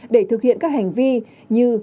để thực hiện các hành vi như